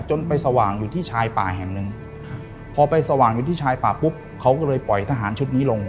ไปสว่างอยู่ที่ชายป่าแห่งหนึ่งพอไปสว่างอยู่ที่ชายป่าปุ๊บเขาก็เลยปล่อยทหารชุดนี้ลง